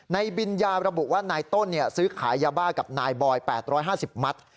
บิญญาระบุว่านายต้นซื้อขายยาบ้ากับนายบอย๘๕๐มัตต์